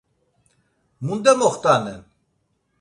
Munde moxt̆anen?